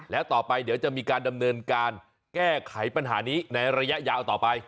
แล้วต่อไปเดี๋ยวจะมีการดำเนินการแก้ไขปัญหานี้ในระยะยาวต่อไป